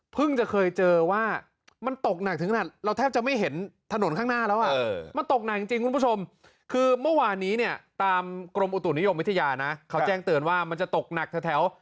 ทุกคนขอบคุณผู้ชมคือเมื่อวานนี้เนี่ยตามกรมอุตุนิยมวิทยานะเขาแจ้งเตือนว่ามันจะตกหนักแถว